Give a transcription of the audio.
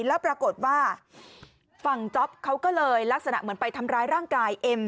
แล้วปรากฏว่าฝั่งจ๊อปเขาก็เลยลักษณะเหมือนไปทำร้ายร่างกายเอ็ม